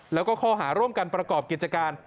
แล้วก็ข้อหาร่วมกันประกอบกิจการ